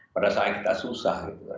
para sangka kita susah